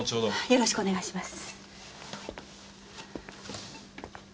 よろしくお願いします。